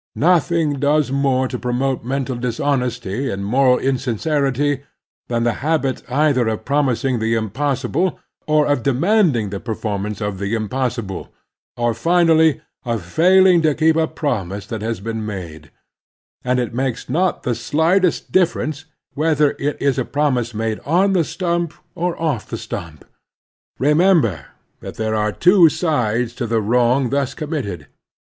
Nothing does more to promote mental dishonesty and moral insincerity than the habit either of promising the impossible, or of demand ing the performance of the impossible, or, finally, of failing to keep a promise that has been made ; and it makes not the slightest difference whether it is a promise made on the sttunp or off the stiunp. Remember that there are two sides to the wrong thus committed.